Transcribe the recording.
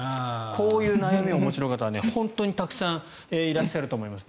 こういう悩みをお持ちの方は本当にたくさんいらっしゃると思います。